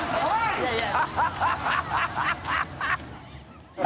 いやいや。